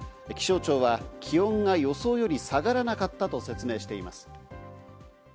気象庁は気温が予想よりも下がらなかったと説明しています。